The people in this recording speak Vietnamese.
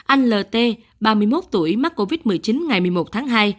anh l t ba mươi một tuổi mắc covid một mươi chín ngày một mươi một tháng hai